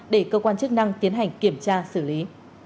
để cơ quan chức năng tiến hành kiểm tra xử lý